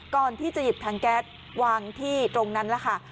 ก่อนที่จะหยิบถังแก๊สวางที่ตรงนั้นแหละค่ะ